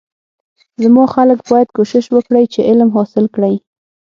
زما خلک باید کوشش وکړی چی علم حاصل کړی